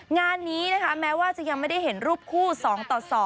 งานนี้นะคะแม้ว่าจะยังไม่ได้เห็นรูปคู่๒ต่อ๒